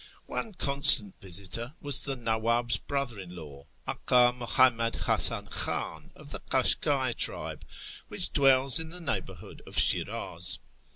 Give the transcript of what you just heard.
One constant visitor was the Nawwab's brother in law, Aka Muhammad Hasan Khan of the K;Lshka'i tribe which dwells in the neighbourhood of Shiraz.